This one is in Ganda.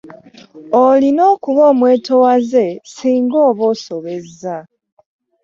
Olina okuba omwetowaze singa oba osobezza.